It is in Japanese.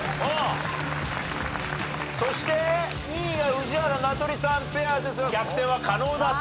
そして２位が宇治原名取さんペアですが逆転は可能だと。